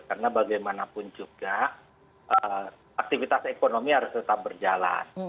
karena bagaimanapun juga aktivitas ekonomi harus tetap berjalan